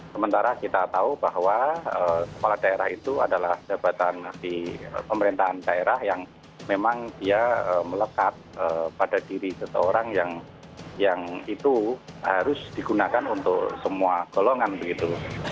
sementara kita tahu bahwa kepala daerah itu adalah jabatan di pemerintahan daerah yang memang dia melekat pada diri seseorang yang itu harus digunakan untuk semua golongan begitu